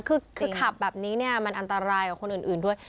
คือขับแบบนี้เนี่ยมันอันตรายกับคนอื่นด้วย